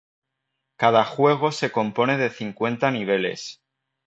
Cada juego se compone de cincuenta niveles.